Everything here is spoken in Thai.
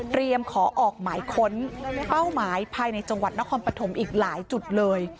ขอออกหมายค้นเป้าหมายภายในจังหวัดนครปฐมอีกหลายจุดเลย